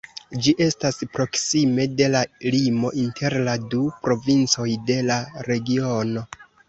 Ĝi estas proksime de la limo inter la du provincoj de la regiono.